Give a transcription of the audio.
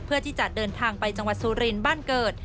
เพื่อที่จะเดินทางไปจังหวัดสุรินทร์บ้านเกิด